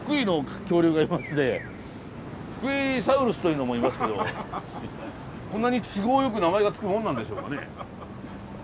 フクイサウルスというのもいますけどこんなに都合良く名前が付くもんなんでしょうかね。